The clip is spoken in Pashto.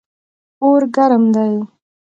اور ګرم دی.